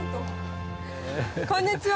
こんにちは！